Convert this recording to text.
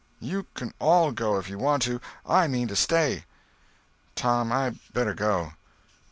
You can all go, if you want to. I mean to stay." "Tom, I better go."